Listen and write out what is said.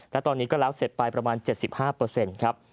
และตอนนี้ก็แล้วเสร็จไปประมาณ๗๕ครับ